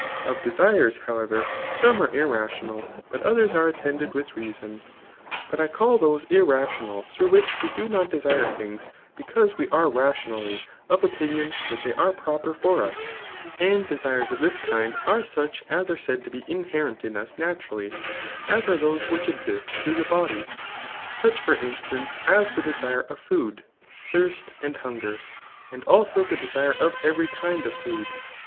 Of deapre^ howerert some are vfOr donal ; but others are attended with reason. But I caQ those irradonal through which we do not desire things because we are radonally of opinion that they are proper AmL yoL. u a €» THE 4^r tp A a^QUk u for u& Ahd dcwes of tl^ kiod^d^ s«h as dxemd to be inherent in us naturally, as are those which eaist through the body; such for instance as the desire of food, thirst and hunger ; and also the desire of eti^ry kind of food.